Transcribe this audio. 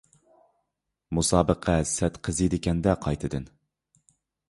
مۇسابىقە سەت قىزىيدىكەن-دە قايتىدىن.